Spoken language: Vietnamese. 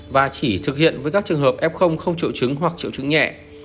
và chỉ thực hiện với các trường hợp f không triệu chứng hoặc triệu chứng nhẹ